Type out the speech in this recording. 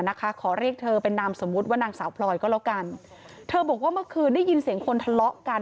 นะคะขอเรียกเธอเป็นนามสมมุติว่านางสาวพลอยก็แล้วกันเธอบอกว่าเมื่อคืนได้ยินเสียงคนทะเลาะกัน